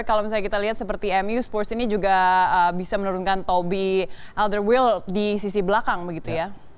kalau misalnya kita lihat seperti mu sports ini juga bisa menurunkan tobi elderwill di sisi belakang begitu ya